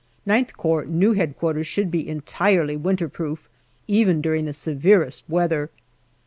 IX Corps new Headquarters should be entirely winterproof, even during the severest weather.